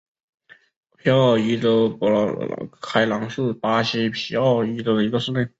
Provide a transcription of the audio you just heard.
皮奥伊州博凯朗是巴西皮奥伊州的一个市镇。